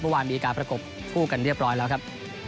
เมื่อวานมีการประกบคู่กันเรียบร้อยแล้วครับ